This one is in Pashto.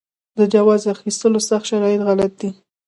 د جواز اخیستلو سخت شرایط غلط دي.